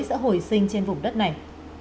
sẽ hồi sinh trên vùng đất này